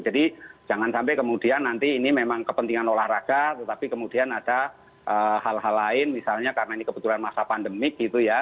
jadi jangan sampai kemudian nanti ini memang kepentingan olahraga tetapi kemudian ada hal hal lain misalnya karena ini kebetulan masa pandemik gitu ya